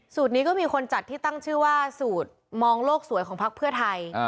นี้ก็มีคนจัดที่ตั้งชื่อว่าสูตรมองโลกสวยของพักเพื่อไทย